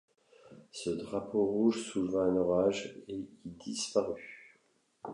Ce drapeau rouge souleva un orage et y disparut.